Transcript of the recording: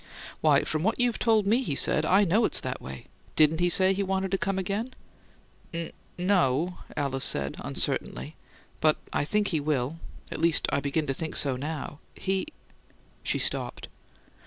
"Why, from what you've told me he said, I KNOW it's that way. Didn't he say he wanted to come again?" "N no," Alice said, uncertainly. "But I think he will. At least I begin to think so now. He " She stopped.